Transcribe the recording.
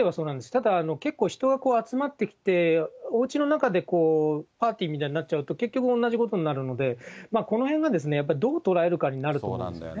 ただ結構人が集まってきて、おうちの中でパーティーみたいになっちゃうと、結局同じことになるので、このへんがやっぱり、どう捉えるかになると思うんですよ